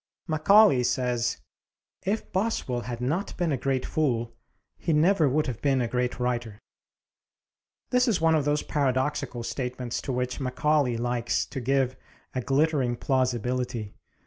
Macaulay says, "If Boswell had not been a great fool he never would have been a great writer." This is one of those paradoxical statements to which Macaulay likes to give a glittering plausibility.